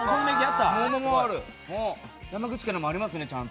山口県のもありますね。